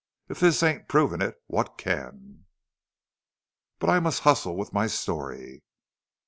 If this ain't provin' it, what can! "But I must hustle with my story....